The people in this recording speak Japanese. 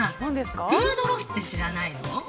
フードロスって知らないの。